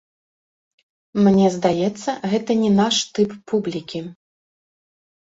Мне здаецца, гэта не наш тып публікі.